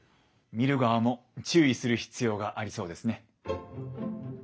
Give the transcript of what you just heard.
見る側も注意する必要がありそうですね。